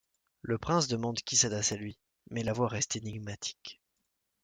Le Prince demande qui s'adresse à lui, mais la voix reste énigmatique.